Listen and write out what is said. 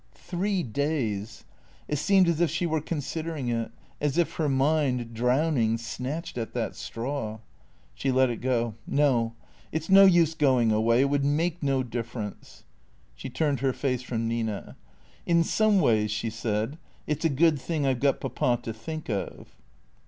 " Three days." It seemed as if she were considering it, as if her mind, drowning, snatched at that straw. She let it go. " No. It 's no use going away. It would make no difference." She turned her face from Nina. " In some ways," she said, " it 's a good thing I 've got Papa to think of."